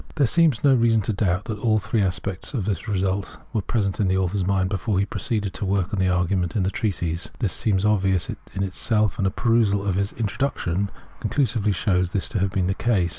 ! There seems no reason to doubt that all three aspects of the result were present in the author's mind before he proceeded to work out the argument of the treatise. This seems obvious in itself, and a perusal of his " Intro duction " conclusively shows this to have been the case.